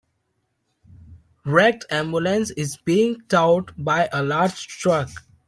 Wrecked ambulance is being towed by a large truck.